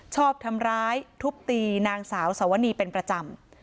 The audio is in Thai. ชอบทำร้ายทุบตีนางสาวสวนีเป็นประจำ